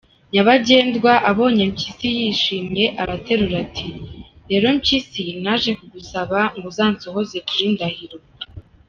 Nyabagendwa abonye Mpyisi yishimye, araterura ati «Rero Mpyisi, naje kugusaba ngo uzansohoze kuri Ndahiro.